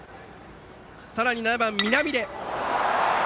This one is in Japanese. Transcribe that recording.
さらに７番、南出。